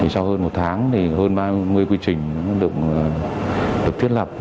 sau hơn một tháng hơn ba mươi quy trình được thiết lập